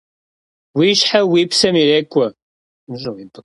Vuişhe vuipsem yirêk'ue!